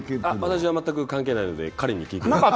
私は全く関係ないので彼に聞いてください。